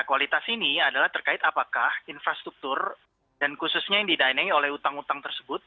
nah kualitas ini adalah terkait apakah infrastruktur dan khususnya yang didanai oleh hutang hutang tersebut